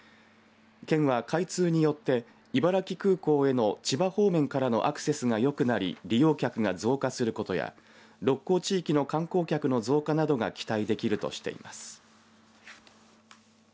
県は、開通によって茨城空港への千葉方面からのアクセスが良くなり利用客が増加することや鹿行地域の観光客の増加などが期待できるとしています。